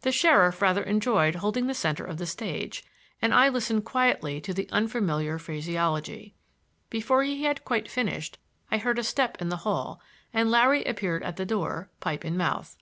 The sheriff rather enjoyed holding the center of the stage, and I listened quietly to the unfamiliar phraseology. Before he had quite finished I heard a step in the hall and Larry appeared at the door, pipe in mouth.